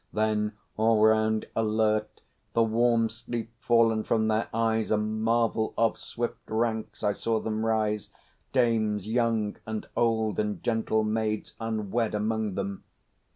Then, all round, Alert, the warm sleep fallen from their eyes, A marvel of swift ranks I saw them rise, Dames young and old, and gentle maids unwed Among them.